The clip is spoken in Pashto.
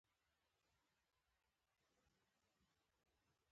د ستوري ژوند د میلیونونو کلونو په اوږدو کې دوام لري.